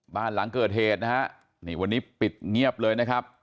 บ้านหลังเกิดเหตุนะฮะนี่วันนี้ปิดเงียบเลยนะครับ